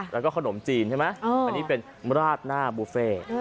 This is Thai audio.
แล้วก็ขนมจีนใช่ไหมอันนี้เป็นราดหน้าบุฟเฟ่